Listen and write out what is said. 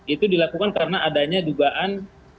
itu dilakukan karena adanya dugaan